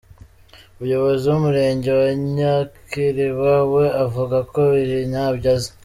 Umuyobozi w’Umurenge wa Nyakiriba we avuga ko ibi ntabyo azi.